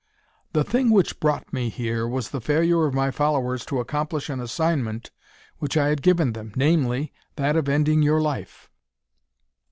"The thing which brought me here was the failure of my followers to accomplish an assignment which I had given them namely, that of ending your life."